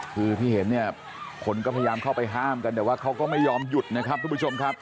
คือที่เห็นเนี่ยคนก็พยายามเข้าไปห้ามกันแต่ว่าเขาก็ไม่ยอมหยุดนะครับทุกผู้ชมครับ